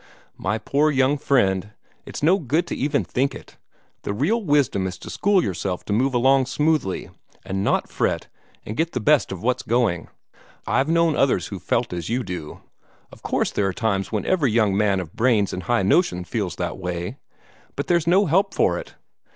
"My poor young friend, it's no good to even think it. The real wisdom is to school yourself to move along smoothly, and not fret, and get the best of what's going. I've known others who felt as you do of course there are times when every young man of brains and high notions feels that way but there's no help for it.